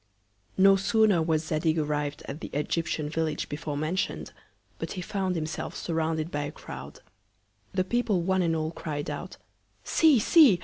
No sooner was Zadig arriv'd at the Egyptian Village before mention'd, but he found himself surrounded by a Croud. The People one and all cried out! See! See!